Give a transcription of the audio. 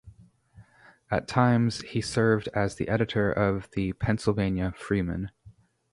At times, he served as the editor of the "Pennsylvania Freeman".